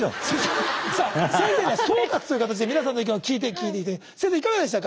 さあ先生には総括という形で皆さんの意見を聞いて頂いて先生いかがでしたか？